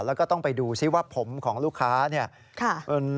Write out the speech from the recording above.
แล้วก็ต้องไปดูซิว่าผมของลูกค้าเนี่ย